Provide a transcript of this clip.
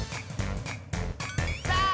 さあ！